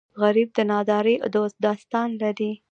غریب د نادارۍ داستان لري